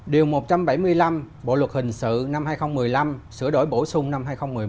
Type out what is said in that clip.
điều một trăm bảy mươi năm bộ luật hình sự năm hai nghìn một mươi năm sửa đổi bổ sung năm hai nghìn một mươi bốn